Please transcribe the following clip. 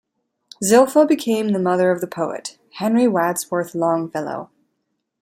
Zilpah, became the mother of the poet Henry Wadsworth Longfellow.